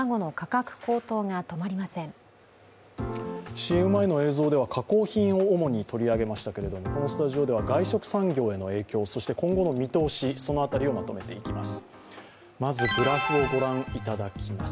ＣＭ前の映像では加工品を主に取り上げましたけどこのスタジオでは外食産業への影響そして今後の見通し、その辺りをまとめていきます。